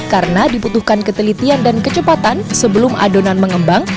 karena diputuhkan ketelitian dan kecepatan sebelum adonan mengembang